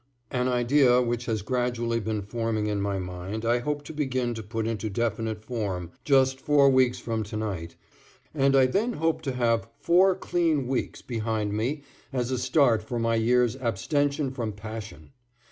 An idea which has gradually been forming in my mind I hope to begin to put into definite form just four weeks from to night, and I then hope to have four clean weeks behind me as a start for my year's abstention from passion.